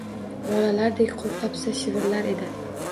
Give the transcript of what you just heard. Bolalardek qo’rqa-pisa shivirlar edi: